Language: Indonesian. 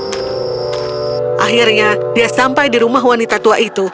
dan akhirnya dia sampai di rumah wanita tua itu